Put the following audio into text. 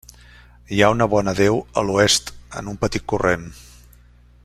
Hi ha una bona deu a l'oest en un petit corrent.